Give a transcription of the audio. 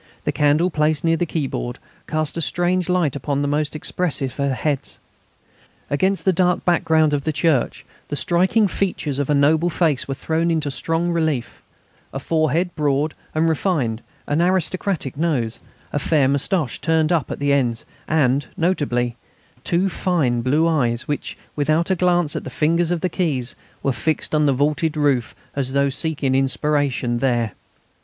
The candle placed near the keyboard cast a strange light upon the most expressive of heads. Against the dark background of the church the striking features of a noble face were thrown into strong relief: a forehead broad and refined, an aristocratic nose, a fair moustache turned up at the ends, and, notably, two fine blue eyes, which, without a glance at the fingers on the keys, were fixed on the vaulted roof as though seeking inspiration there.